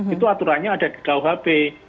itu aturannya ada di kuhp